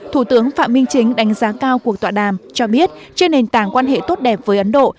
thủ tướng phạm minh chính đánh giá cao cuộc tọa đàm cho biết trên nền tảng quan hệ tốt đẹp với ấn độ